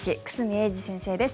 英二先生です。